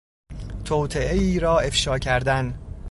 توطئهای را افشا کردن